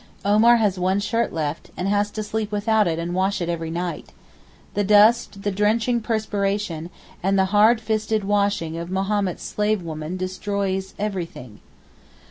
Omar has one shirt left, and has to sleep without and wash it every night. The dust, the drenching perspiration, and the hard fisted washing of Mahommed's slave women destroys everything.